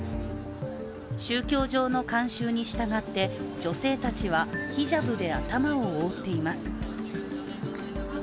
宗教上の慣習に従って女性たちはヒジャブで頭を覆っています。